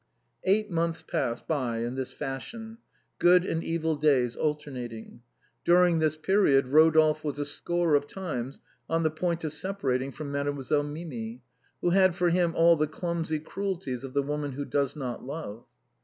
Eight months passed by in this fashion, good and evil days alternating. During this period Rodolphe was a score of times on the point of separating from Mademoiselle Mimi, who had for him all the clumsy cruelties of the woman who does not love.